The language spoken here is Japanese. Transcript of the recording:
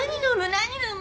何飲む？